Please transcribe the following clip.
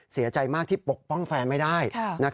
เสียใจมากที่ปกป้องแฟนไม่ได้